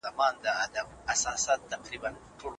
سیاست بايد په ټولنه کي پرېکړې وکړې.